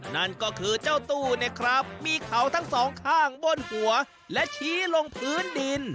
นั่นก็คือเจ้าตู้เนี่ยครับมีเขาทั้งสองข้างบนหัวและชี้ลงพื้นดิน